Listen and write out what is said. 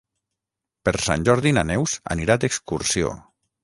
Per Sant Jordi na Neus anirà d'excursió.